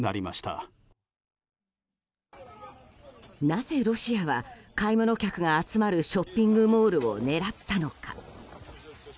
なぜロシアは買い物客が集まるショッピングモールを狙ったのか。